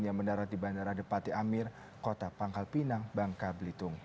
yang mendarat di bandara depati amir kota pangkal pinang bangka belitung